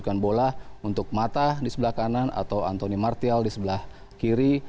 sehingga bisa menerbitkan bola untuk mata di sebelah kanan atau anthony martial di sebelah kiri